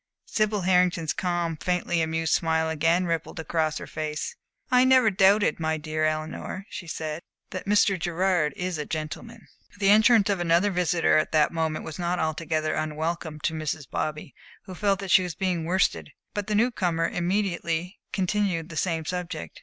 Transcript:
Sibyl Hartington's calm, faintly amused smile again rippled across her face. "I never doubted, my dear Eleanor," she said, "that Mr. Gerard is a gentleman." The entrance of another visitor at that moment was not altogether unwelcome to Mrs. Bobby, who felt that she was being worsted; but the new comer immediately continued the same subject.